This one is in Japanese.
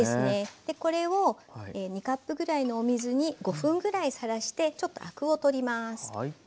これを２カップぐらいのお水に５分ぐらいさらしてちょっとアクを取ります。